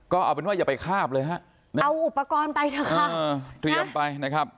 ก็เอาเป็นว่าอย่าไปคาบเลยฮะเอาอุปกรณ์ไปเถอะค่ะเตรียมไปนะครับ